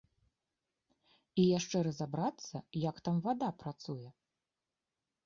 І яшчэ разабрацца, як там вада працуе.